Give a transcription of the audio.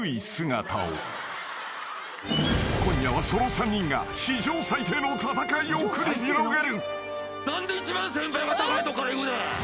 ［今夜はその３人が史上最低の戦いを繰り広げる］